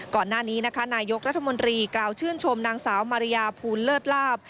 ก่อนหน้านี้นะคะนายกรัฐมนตรีกล่าวชื่นชมนางสาวมาริยาภูลเลิศลาบ